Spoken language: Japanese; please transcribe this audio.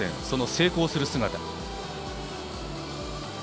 その成功する姿を。